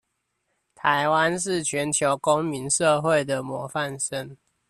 臺灣是全球公民社會的模範生